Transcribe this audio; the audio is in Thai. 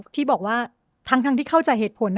ที่บอกว่าทั้งที่เข้าใจเหตุผล